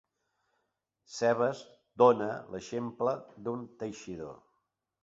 Cebes dóna l'exemple d'un teixidor.